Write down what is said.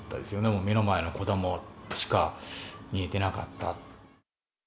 もう目の前の子どもしか見えてなかった。